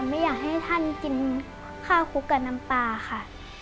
ไม่อยากให้ท่านกินข้าวคลุกกับน้ำปลาค่ะ